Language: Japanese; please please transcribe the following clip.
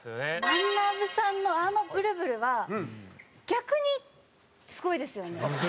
まなぶさんのあのブルブルは逆にすごいですよね。